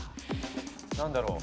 何だろう？